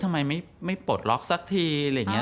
ทำไมไม่ปลดล็อกซักที